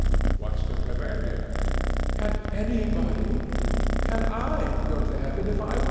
What's to prevent him? ANA. Can anybody can I go to Heaven if I want to?